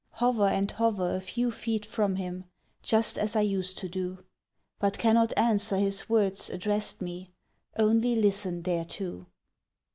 — Hover and hover a few feet from him Just as I used to do, But cannot answer his words addressed me— Only listen thereto!